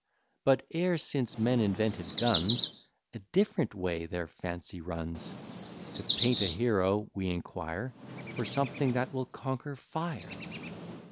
_ But, e'er since men invented guns, A diff'rent way their fancy runs: To paint a hero, we inquire For something that will conquer _fire.